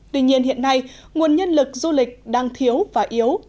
tuy nhiên hiện nay nguồn nhân lực du lịch đang thiếu và yếu